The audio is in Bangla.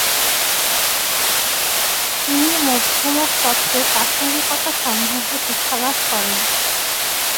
তিনি মধ্যমক তত্ত্বের প্রসঙ্গিকা সম্বন্ধে শিক্ষালাভ করেন।